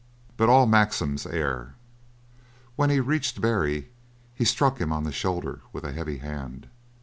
But all maxims err. When he reached Barry he struck him on the shoulder with a heavy hand.